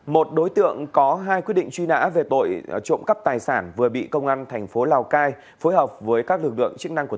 một đối tượng có hai quyết định truy nã về tội trộm cắp tài sản vừa bị công an thành phố lào cai phối hợp với các lực lượng chức năng của